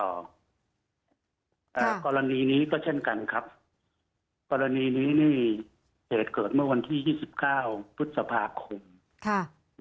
กรณีนี้ก็เช่นกันครับกรณีนี้นี่เหตุเกิดเมื่อวันที่ยี่สิบเก้าพฤษภาคมค่ะ